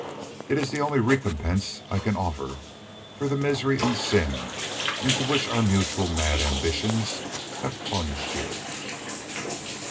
It is the only recompense I can offer for the misery and sin into which our mutual mad ambitions have plunged you."